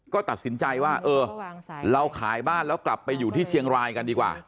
ก็ตัดสินใจว่าเออเราขายบ้านแล้วกลับไปอยู่ที่เชียงรายกันดีกว่า